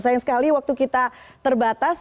sayang sekali waktu kita terbatas